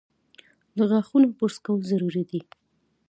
د غاښونو برس کول ضروري دي۔